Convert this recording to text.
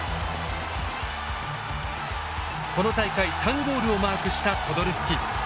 この大会３ゴールをマークしたポドルスキ。